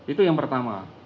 itu yang pertama